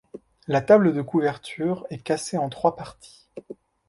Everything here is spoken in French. La table de couverture est cassée en trois parties.